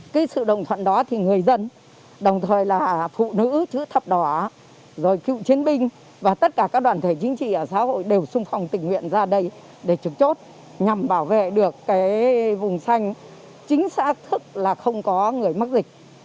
cái sự đồng thuận đó thì người dân đồng thời là phụ nữ chữ thập đỏ rồi cựu chiến binh và tất cả các đoàn thể chính trị ở xã hội đều sung phòng tình nguyện ra đây để trực chốt nhằm bảo vệ được cái vùng xanh chính xã thức là không có người mắc dịch